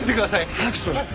早くしろよ！